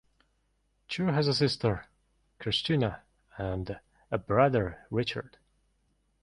Chu has a sister, Christina, and a brother, Richard.